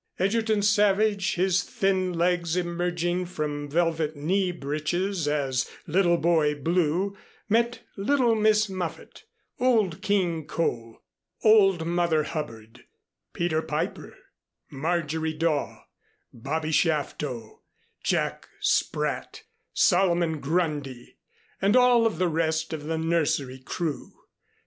Egerton Savage, his thin legs emerging from velvet knee breeches, as Little Boy Blue, met Little Miss Muffett, Old King Cole, Old Mother Hubbard, Peter Piper, Margery Daw, Bobby Shafto, Jack Spratt, Solomon Grundy, and all of the rest of the nursery crew.